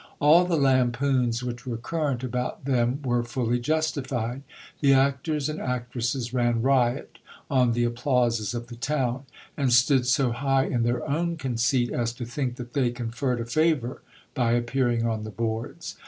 All the lampoons which were current about them were fully justified. The actors and actresses ran riot on the applauses of the town, and stood so high in their own conceit, as to think that they conferred a favour by appearing on the boards.